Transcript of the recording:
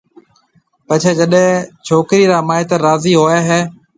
پڇيَ جڏَي ڇوڪرِي را مائيتر راضي ھوئيَ ھيَََ